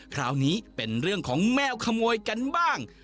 คราวนี้เป็นเรื่องของแมวขโมยกันบ้าง